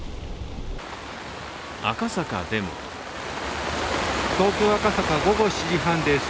赤坂でも東京・赤坂、午後７時半です。